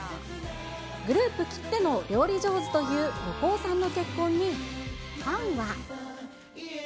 グループきっての料理上手という横尾さんの結婚にファンは。